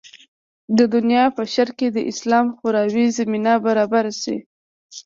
د دنیا په شرق کې د اسلام خپراوي زمینه برابره شي.